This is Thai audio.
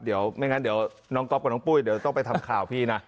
เดี๋ยวไม่งั้นเดี๋ยวน้องก๊อฟกับน้องปุ้ยเดี๋ยวต้องไปทำข่าวพี่นะ